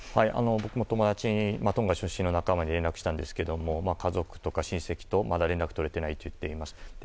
僕も友達に、トンガ出身の仲間に連絡したんですけど家族とか親戚とまだ連絡が取れていないと言っていました。